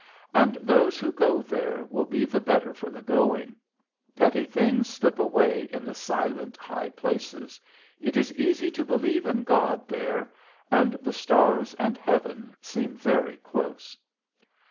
And those who go there will be the better for the going. Petty things slip away in the silent high places. It is easy to believe in God there. And the stars and heaven seem very close.